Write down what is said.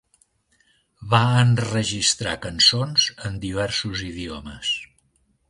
Va enregistrar cançons en diversos idiomes.